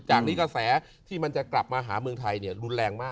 จากนี้กระแสที่มันจะกลับมาหาเมืองไทยรุนแรงมาก